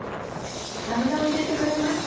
油を入れてくれますか？